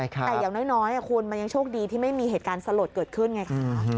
แต่อย่างน้อยคุณมันยังโชคดีที่ไม่มีเหตุการณ์สลดเกิดขึ้นไงคะ